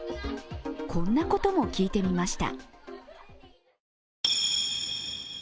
こんなことも聞いてみました。